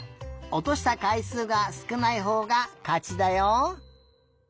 おとしたかいすうがすくないほうがかちだよ。